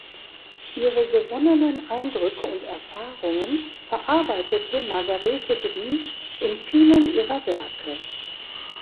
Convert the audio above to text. Ihre gewonnenen Eindrücke und Erfahrungen verarbeitete Margarete Driesch in vielen ihrer Werke.